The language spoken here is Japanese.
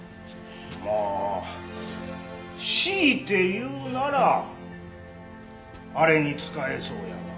まあ強いて言うならあれに使えそうやが。